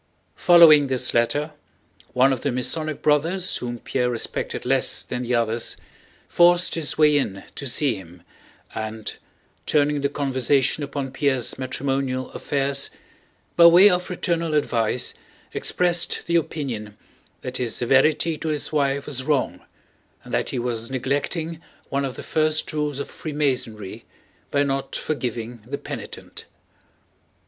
Following this letter one of the Masonic Brothers whom Pierre respected less than the others forced his way in to see him and, turning the conversation upon Pierre's matrimonial affairs, by way of fraternal advice expressed the opinion that his severity to his wife was wrong and that he was neglecting one of the first rules of Freemasonry by not forgiving the penitent.